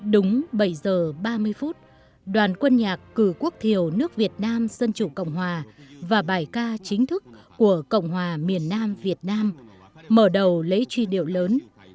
đúng bảy giờ ba mươi phút đoàn quân nhạc cử quốc thiều nước việt nam dân chủ cộng hòa và bài ca chính thức của cộng hòa miền nam việt nam mở đầu lấy truy điệu lớn